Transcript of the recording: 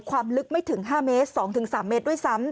ความลึกไม่ถึง๕เมตร๒๓เมตรด้วยซ้ำ